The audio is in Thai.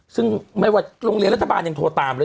ซึ่งไม่ว่าโรงเรียนรัฐบาลยังโทรตามเลย